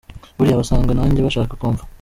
Buriya wasanga nanjye bashaka ko mpfa.